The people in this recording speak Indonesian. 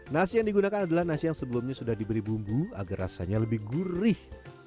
nasi yang digunakan adalah nasi yang sebelumnya sudah diberi bumbu agar rasanya lebih gurih